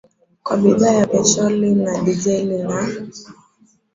kwa bidhaa ya petroli na dizeli na